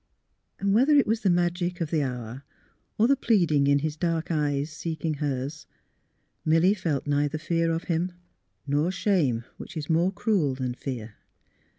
And whether it was the magic of the hour, or the pleading in his dark eyes seeking hers, Milly felt neither fear of him, nor shame which is more cruel than fear.